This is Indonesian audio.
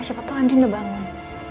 cepat tuh andin udah bangun